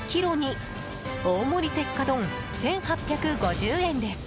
大盛り鉄火丼、１８５０円です。